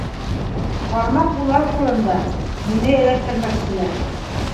Ҡармаҡ улар ҡулында, мине эләктермәкселәр.